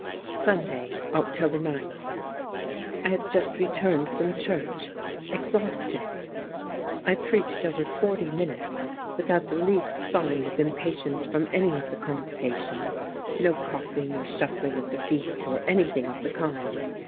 Sunday, October 9 — I have just returned from church, exhausted. 77 THE MAGNET I preached over forty minutes, without the least sign of impatience from any of the congregation. No coughing or shuffling of the feet, or anything of the kind.